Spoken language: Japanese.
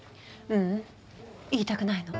ううん言いたくないの。